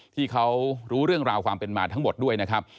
ที่เขารู้เรื่องราวความเป็นมาทั้งหมดด้วยนะครับ